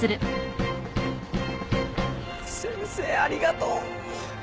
先生ありがとう！